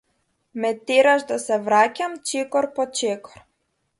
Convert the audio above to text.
Ме тераш да се враќам чекор по чекор.